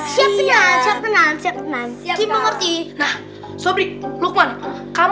siap tenang kak